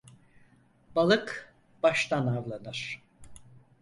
Balık baştan avlanır.